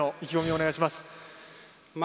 お願いします。